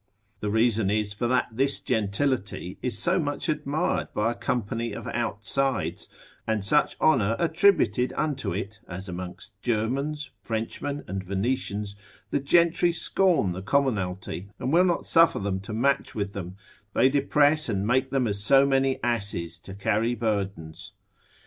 The reason is, for that this gentility is so much admired by a company of outsides, and such honour attributed unto it, as amongst Germans, Frenchmen, and Venetians, the gentry scorn the commonalty, and will not suffer them to match with them; they depress, and make them as so many asses, to carry burdens.